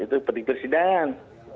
itu periksa sidangan